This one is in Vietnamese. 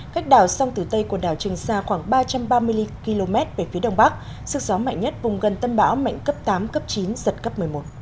cách đảo sông tử tây của đảo trừng xa khoảng ba trăm ba mươi km về phía đông bắc sức gió mạnh nhất vùng gần tâm bão mạnh cấp tám cấp chín giật cấp một mươi một